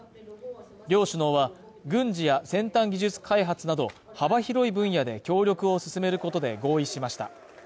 両首脳は、軍事や先端技術開発など幅広い分野で協力を進めることで合意しました。